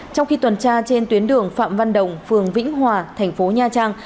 trong khi tuần tra trên tuyến đường phạm văn đồng phường vĩnh hòa thành phố nha trang